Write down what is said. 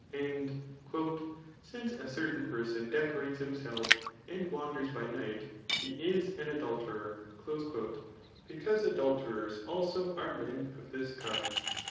And, ^^ Since a certain* person decorates himself, and wanders by night, he is an adulterer ;*' because adulterers also are men of this kind.